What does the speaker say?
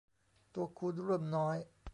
ตัวคูณร่วมน้อย